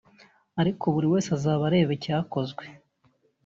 ariko buri wese azaba areba icyakozwe